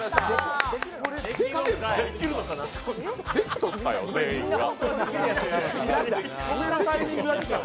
できとったよ、全員が。